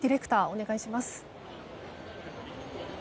お願いします。